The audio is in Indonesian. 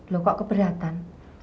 loh kok keberatan